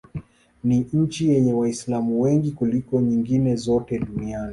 Ni nchi yenye Waislamu wengi kuliko nyingine zote duniani.